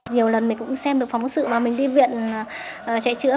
nhiều lần mình cũng xem được phóng sự mà mình đi viện chạy chữa